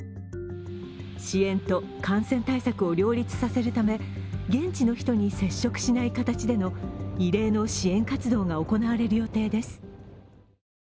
支援と感染対策を両立させるため現地の人に接触しない形での異例の支援活動が行われる予定です。